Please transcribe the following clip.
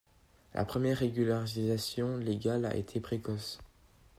La première régularisation légale a été précoce.